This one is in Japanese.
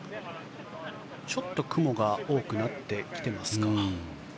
ちょっと雲が多くなってきてますか。